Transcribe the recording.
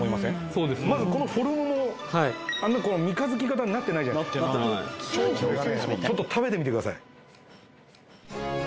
そうですねまずこのフォルムもあんな三日月形になってないじゃないですかちょっと食べてみてください